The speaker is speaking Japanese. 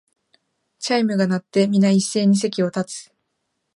チャイムが鳴って、みな一斉に席を立つ